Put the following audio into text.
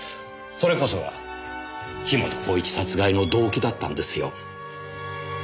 それこそが樋本晃一殺害の動機だったんですよ。